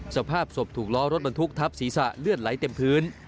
สภาพศพถูกล้อรถบรรทุกทับศีรษะเลือดไหลเต็มพื้น